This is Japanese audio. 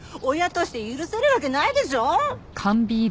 親として許せるわけないでしょ！